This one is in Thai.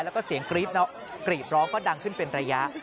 แล้วก็เสียงกรีดร้องก็ดังขึ้นเป็นระยะ